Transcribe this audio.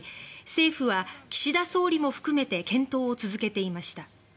政府は岸田総理も含めて検討を続けていました。